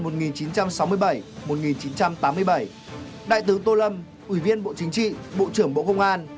năm một nghìn chín trăm sáu mươi bảy một nghìn chín trăm tám mươi bảy đại tướng tô lâm ủy viên bộ chính trị bộ trưởng bộ công an